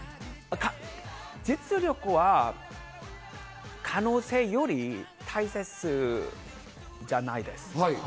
実力は、可能性より大切じゃないです。